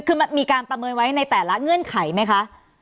คือมันมีการประเมินไว้ในแต่ละเงื่อนไขไหมคะ